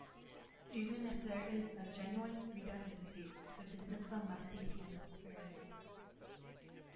Even if there is a genuine redundancy, the dismissal must be handled fairly.